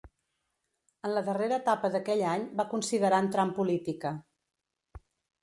En la darrera etapa d'aquell any, va considerar entrar en política.